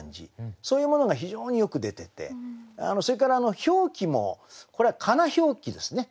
そういうものが非常によく出ててそれから表記もこれはかな表記ですね。